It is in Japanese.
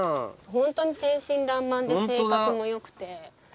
ホントに天真らんまんで性格も良くて。